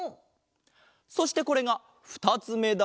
そしてこれがふたつめだ！